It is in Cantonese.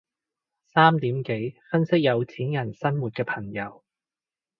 三點幾分析有錢人生活嘅朋友